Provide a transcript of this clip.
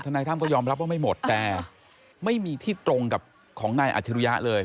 นายถ้ำก็ยอมรับว่าไม่หมดแต่ไม่มีที่ตรงกับของนายอาชิริยะเลย